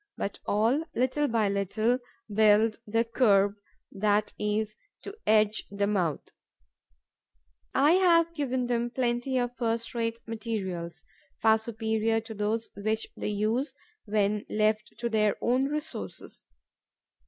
But all, little by little, build the kerb that is to edge the mouth. I have given them plenty of first rate materials, far superior to those which they use when left to their own resources.